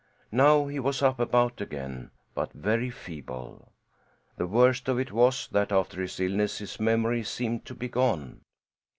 Now he was up and about again, but very feeble. The worst of it was that after his illness his memory seemed to be gone.